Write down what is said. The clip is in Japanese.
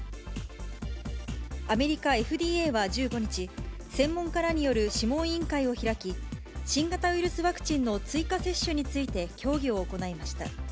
アメリカＦＤＡは１５日、専門家らによる諮問委員会を開き、新型ウイルスワクチンの追加接種について、協議を行いました。